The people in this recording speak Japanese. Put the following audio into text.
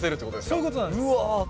そういう事なんです。